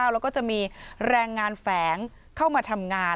แล้วก็จะมีแรงงานแฝงเข้ามาทำงาน